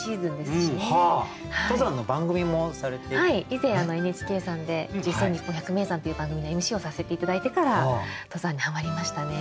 以前ＮＨＫさんで「実践！にっぽん百名山」という番組のＭＣをさせて頂いてから登山にはまりましたね。